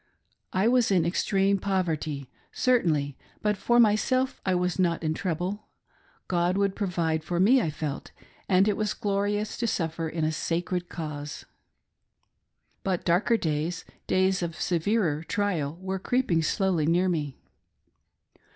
I was in extreme poverty, certainly, but for my self I was not in trouble. God would provide for me, I felt, and it was glorious to suffer in a sacred cause. But darker days — days of severer trial, were creeping slowly near me.